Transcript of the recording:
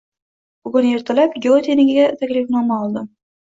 Bugun ertalab Gyotenikiga taklifnoma oldim.